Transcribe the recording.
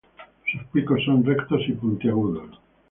Sus picos son rectos y puntiagudos.